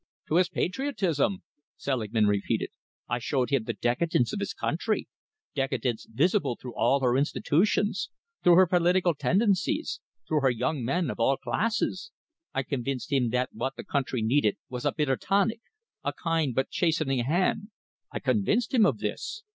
"To his patriotism," Selingman repeated. "I showed him the decadence of his country, decadence visible through all her institutions, through her political tendencies, through her young men of all classes. I convinced him that what the country needed was a bitter tonic, a kind but chastening hand. I convinced him of this.